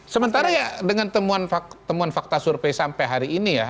sementara ya dengan temuan fakta survei sampai hari ini ya